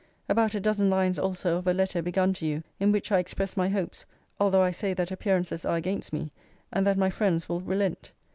About a dozen lines also of a letter begun to you, in which I express my hopes, (although I say that appearances are against me,) and that my friends will relent.